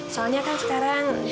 soalnya kan sekarang